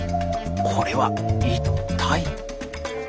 これは一体。